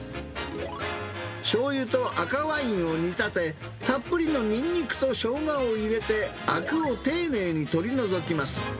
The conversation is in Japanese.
しょうゆと赤ワインを煮立て、たっぷりのニンニクとショウガを入れて、あくを丁寧に取り除きます。